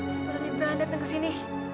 sebenernya berani dateng kesini